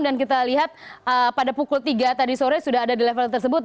dan kita lihat pada pukul tiga tadi sore sudah ada di level tersebut